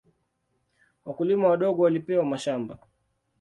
Wakulima wadogo walipewa mashamba.